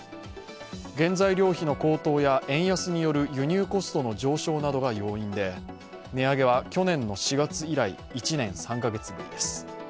原材料費の高騰や円安による輸入コストの上昇などが原因で値上げは去年の４月以来、１年３カ月ぶりです。